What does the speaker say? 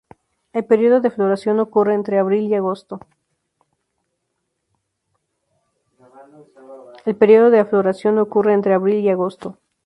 El período de floración ocurre entre abril y agosto.